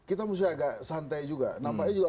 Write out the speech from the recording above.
ini agak santai juga nampaknya juga